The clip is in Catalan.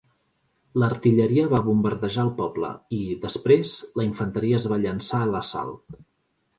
L'artilleria va bombardejar el poble i, després, la infanteria es va llençar a l'assalt.